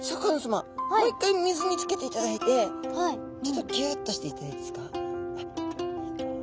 もう一回水につけていただいてちょっとギュッとしていただいていいですか。